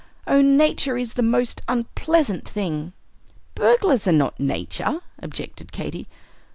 Oh, Nature is the most unpleasant thing!" "Burglars are not Nature," objected Katy.